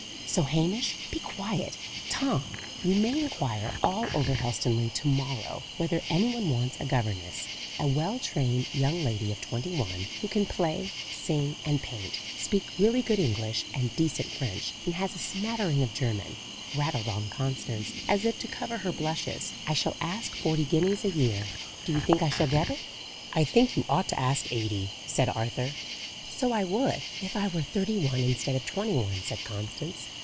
"So Hamish be quiet, Tom! you may inquire all over Helstonleigh to morrow, whether any one wants a governess; a well trained young lady of twenty one, who can play, sing, and paint, speak really good English, and decent French, and has a smattering of German," rattled on Constance, as if to cover her blushes. "I shall ask forty guineas a year. Do you think I shall get it?" "I think you ought to ask eighty," said Arthur. "So I would, if I were thirty one instead of twenty one," said Constance.